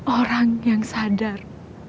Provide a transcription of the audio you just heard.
orang yang sadar